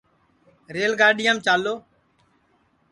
ریل گاڈِؔیام چالو